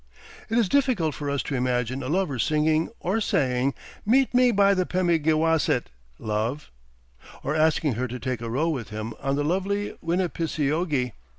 It is difficult for us to imagine a lover singing, or saying, "Meet me by the Pemigewasset, love," or asking her to take a row with him on the lovely Winnepiseogee.